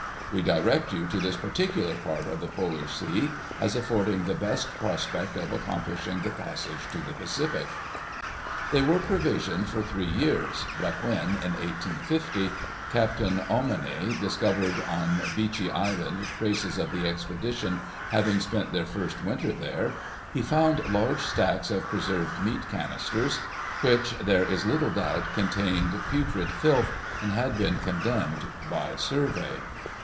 We direct you to this particular part of the Polar Sea, as affording the best prospect of accomplishing the passage to the Pacific." They were provisioned for three years, but when, in 1850, Captain Ommanney discovered, on Beechey Island, traces of the expedition having spent their first winter there, he found large stacks of preserved meat canisters, which, there is little doubt, contained putrid filth, and had been condemned by survey.